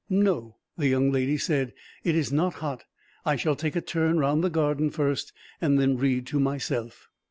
"No," the young lady said. "It is not hot. I shall take a turn round the garden, first, and then read to myself."